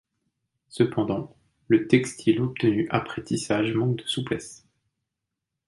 Cependant, le textile obtenu après tissage manque de souplesse.